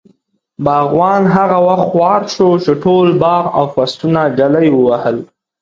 باغوان هغه وخت خوار شو، چې ټول باغ او فصلونه ږلۍ ووهل.